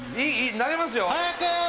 投げますよ。早く！